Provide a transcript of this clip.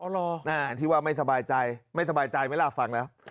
อันที่ว่าไม่สบายใจไม่สบายใจไหมล่ะฟังแล้ว